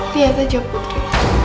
lihat aja putri